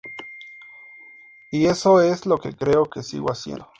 Y eso es lo que creo que sigo haciendo.